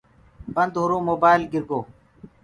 بند هوُرو موبآئيل گِرگو۔